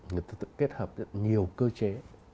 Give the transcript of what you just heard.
người ta tự kết hợp rất nhiều cơ chế